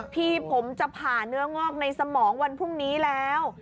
พี่ผมจะผ่าเนื้องอกในสมองวันพรุ่งนี้แล้ว